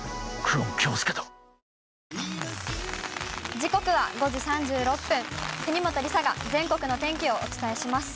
時刻は５時３６分、国本梨紗が全国の天気をお伝えします。